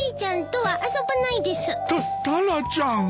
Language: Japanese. タタラちゃん。